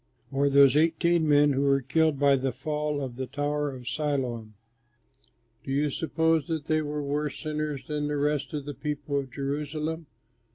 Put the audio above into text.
Or those eighteen men who were killed by the fall of the tower of Siloam do you suppose that they were worse sinners than the rest of the people of Jerusalem?